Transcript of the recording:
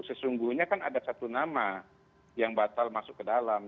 sesungguhnya kan ada satu nama yang batal masuk ke dalam